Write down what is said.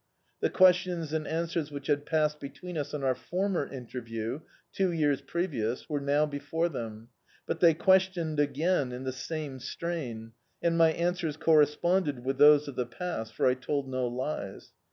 The questions and answers which had passed between us on our former interview, — two years previous, were now before them. But they questioned again in the same strain, and my answers corresponded with those of the past, for I told no lies.